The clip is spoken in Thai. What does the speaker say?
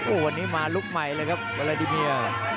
วันนี้มาลุคใหม่เลยครับอะไรดิเมีย